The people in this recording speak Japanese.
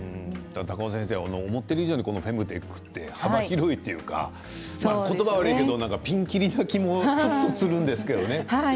高尾先生、思っている以上にフェムテックは幅広いというか言葉は悪いけれどもピンキリな気もするんですけれどね。